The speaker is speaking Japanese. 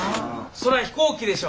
そら飛行機でしょ。